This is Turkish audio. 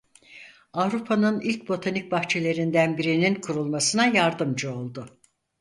Avrupa'nın ilk botanik bahçelerinden birinin kurulmasına yardımcı oldu.